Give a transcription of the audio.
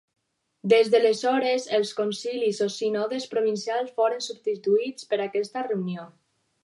Des d'aleshores, els concilis o sínodes provincials foren substituïts per aquesta reunió.